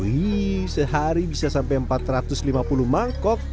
wih sehari bisa sampai empat ratus lima puluh mangkok